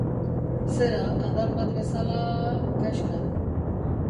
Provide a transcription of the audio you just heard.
Zera, adar bat bezala... kaxka.